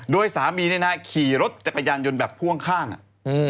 โดยสามีเนี่ยนะขี่รถจักรยานยนต์แบบพ่วงข้างอ่ะอืม